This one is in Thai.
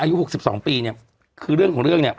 อายุ๖๒ปีเนี่ยคือเรื่องของเรื่องเนี่ย